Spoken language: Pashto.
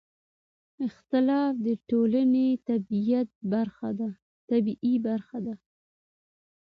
اختلاف د ټولنې طبیعي برخه ده